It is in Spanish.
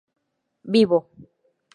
vivo